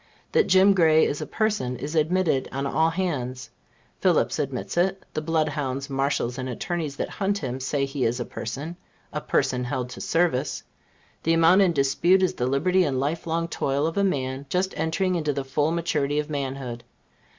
That Jim Gray is a person, is admitted on all hands. Phillips admits it; the blood hounds, marshals and attorneys that hunt him, say he is a person a person held to service. The amount in dispute is the liberty and life long toil of a man just entering into the full maturity of manhood.